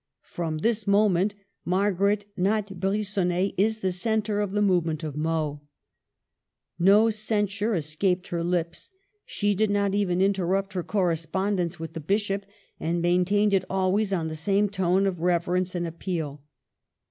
From this moment Margaret, not Bri^onnet, is the centre of the movement of Meaux. No censure escaped her lips ; she did not even interrupt her correspondence with the Bishop, and maintained it always on the same tone of reverence and appeal.